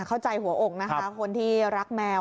หัวอกนะคะคนที่รักแมว